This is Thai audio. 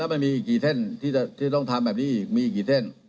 แล้วมันมีอีกกี่เส้นที่จะต้องทำแบบนี้อีกมีอีกกี่เส้น